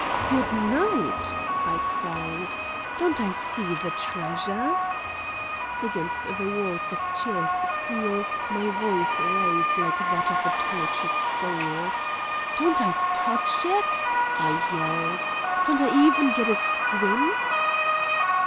"Good night!" I cried. "Don't I see the treasure?" Against the walls of chilled steel my voice rose like that of a tortured soul. "Don't I touch it!" I yelled. "Don't I even get a squint?"